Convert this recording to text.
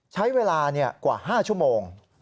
ใช้เวลากว่า๕ชั่วโมง